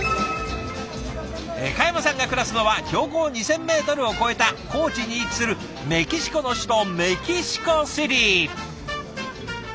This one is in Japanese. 嘉山さんが暮らすのは標高２，０００ｍを超えた高地に位置するメキシコの首都メキシコシティ。